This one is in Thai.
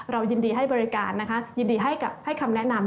ยินดีให้บริการนะคะยินดีให้คำแนะนำ